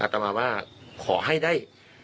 ตามมาว่าขอให้ได้